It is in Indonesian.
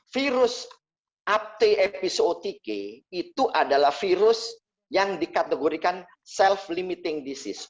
virus apteepisootike itu adalah virus yang dikategorikan self limiting disease